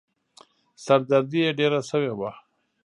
سر دردي يې ډېره شوې وه.